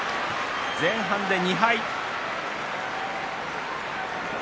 前半で２敗。